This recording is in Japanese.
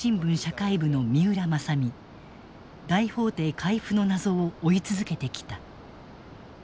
大法廷回付の謎を追い続けてきた。